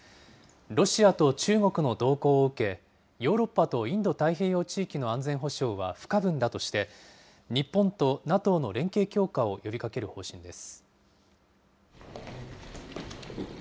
ロシアと中国の動向を受け、ヨーロッパとインド太平洋地域の安全保障は不可分だとして、日本とＮＡＴＯの連携強化を呼びかける方針です。